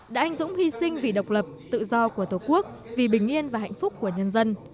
đã anh dũng hy sinh vì độc lập tự do của tổ quốc vì bình yên và hạnh phúc của nhân dân